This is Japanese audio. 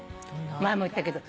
前も言ったけど。